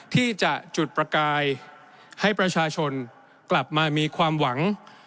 ที่จะจุดประกายให้ประชาชนกลับมามีความหวัง